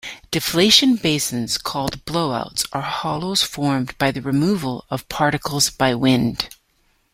Deflation basins, called blowouts, are hollows formed by the removal of particles by wind.